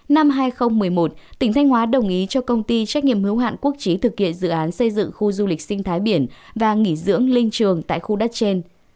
năm hai nghìn một mươi một tỉnh thanh hóa đồng ý cho công ty trách nhiệm hữu hạn quốc trí thực hiện dự án xây dựng khu du lịch sinh thái biển và nghỉ dưỡng linh trường tại khu đất trên